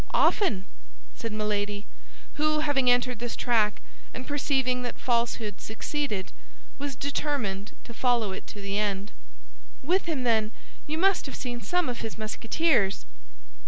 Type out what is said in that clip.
"Often!" said Milady, who, having entered this track, and perceiving that falsehood succeeded, was determined to follow it to the end. "With him, then, you must have seen some of his Musketeers?"